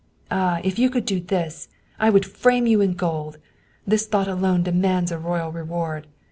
" Ah, if you could do this! I would frame you in gold! This thought alone demands a royal reward.